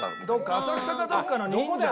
浅草かどっかの忍者だよ。